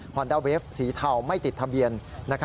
อนดาเวฟสีเทาไม่ติดทะเบียน